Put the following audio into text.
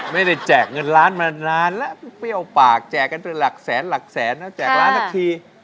แจกเงินล้านมานานแล้วเปรี้ยวปากแจกกันเป็นหลักแสนหลักแสนนะแจกล้านสักที